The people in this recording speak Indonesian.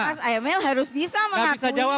mas emil harus bisa mengakui